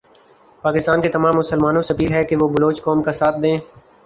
پاکستان کے تمام مسلمانوں سے اپیل ھے کہ وہ بلوچ مسلمان کا ساتھ دیں۔